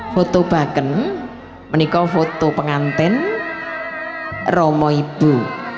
foto baken menikko foto pengantin romo ibu